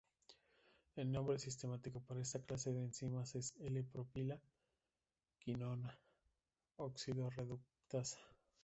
El nombre sistemático para esta clase de enzimas es L-prolina:quinona oxidorreductasa.